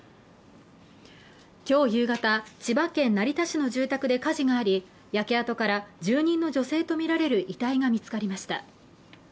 今日夕方、千葉県成田市の住宅で火事があり、焼け跡から住人の女性とみられる遺体が見つかりました。